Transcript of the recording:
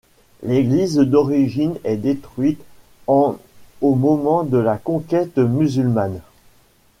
L'église d'origine est détruite en au moment de la conquête musulmane.